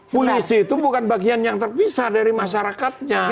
polisi itu bukan bagian yang terpisah dari masyarakatnya